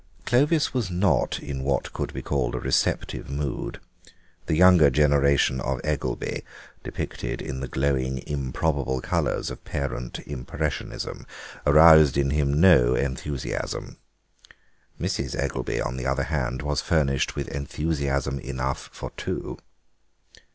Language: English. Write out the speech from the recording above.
Clovis was not in what could be called a receptive mood; the younger generation of Eggelby, depicted in the glowing improbable colours of parent impressionism, aroused in him no enthusiasm. Mrs. Eggelby, on the other hand, was furnished with enthusiasm enough for two.